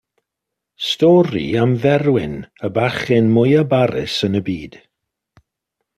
Stori am Ferwyn, y bachgen mwyaf barus yn y byd.